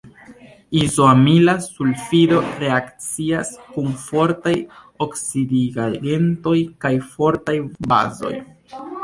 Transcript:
Izoamila sulfido reakcias kun fortaj oksidigagentoj kaj fortaj bazoj.